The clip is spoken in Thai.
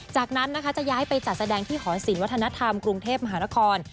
จากนั้นนะคะจะย้ายไปจัดแสดงที่หอศิลปวัฒนธรรมกรุงเทพมหานคร